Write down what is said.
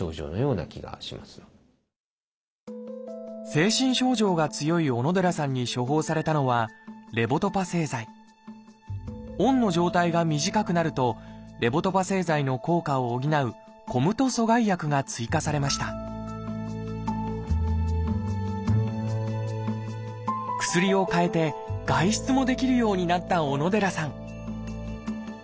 精神症状が強い小野寺さんに処方されたのはオンの状態が短くなるとレボドパ製剤の効果を補う「ＣＯＭＴ阻害薬」が追加されました薬をかえて外出もできるようになった小野寺さん